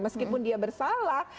meskipun dia bersalah